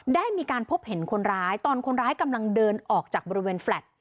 ได้มีการพบเห็นคนร้ายตอนคนร้ายกำลังเดินออกจากบริเวณแฟลต์